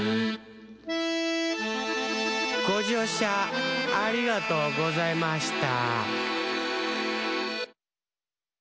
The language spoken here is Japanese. ごじょうしゃありがとうございました。